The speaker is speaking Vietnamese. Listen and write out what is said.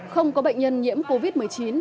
không có bệnh nhân nhiễm covid một mươi chín